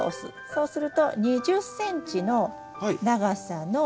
そうすると２０ｃｍの長さの。